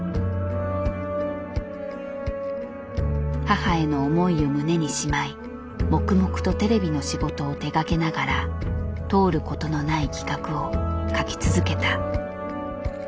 母への思いを胸にしまい黙々とテレビの仕事を手がけながら通る事のない企画を書き続けた。